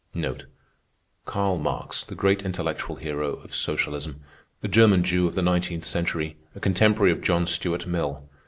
Karl Marx—the great intellectual hero of Socialism. A German Jew of the nineteenth century. A contemporary of John Stuart Mill.